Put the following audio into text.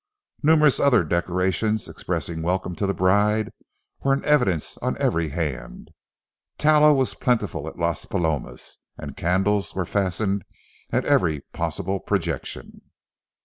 Numerous other decorations, expressing welcome to the bride, were in evidence on every hand. Tallow was plentiful at Las Palomas, and candles were fastened at every possible projection.